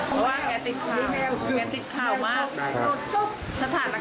เพราะว่าแกติดข่าวแกติดข่าวมาก